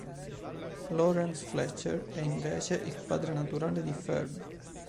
Lawrence Fletcher è, invece, il padre naturale di Ferb.